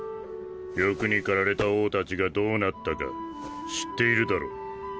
欲に駆られた王たちがどうなったか知っているだろう？